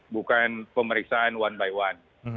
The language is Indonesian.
bukan pemeriksaan one by one